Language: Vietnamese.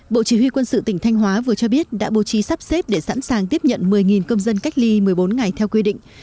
bộ chỉ huy quân sự tỉnh thanh hóa vừa cho biết đã bố trí sắp xếp để sẵn sàng tiếp nhận một mươi công dân cách ly một mươi bốn ngày theo quy định